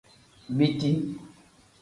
Biti.